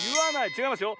ちがいますよ。